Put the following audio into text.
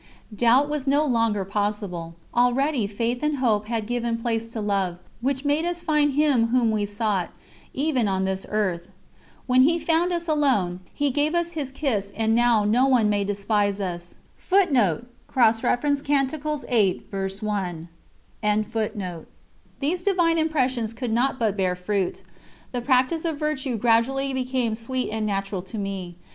Doubt was no longer possible; already Faith and Hope had given place to Love, which made us find Him whom we sought, even on this earth. When He found us alone "He gave us His kiss, and now no one may despise us." These divine impressions could not but bear fruit. The practice of virtue gradually became sweet and natural to me.